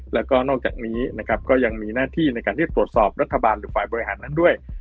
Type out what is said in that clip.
แล้วก็นอกจากนี้นะครับก็ยังมีหน้าที่ในการที่จะตรวจสอบรัฐบาลหรือฝ่ายบริหารนั้นด้วย